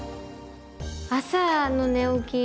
朝の寝起き